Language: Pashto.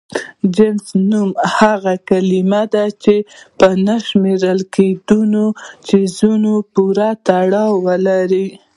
جنس نوم هغه کلمه ده چې په نه شمېرل کيدونکو څيزونو پورې تړاو ولري.